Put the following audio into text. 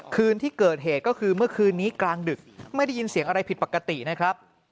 คืนที่เกิดเหตุก็คือเมื่อคืนนี้กลางดึกไม่ได้ยินเสียงอะไรผิดปกตินะครับ